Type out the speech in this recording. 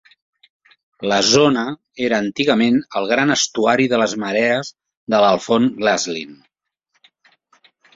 La zona era antigament el gran estuari de les marees de l'Afon Glaslyn.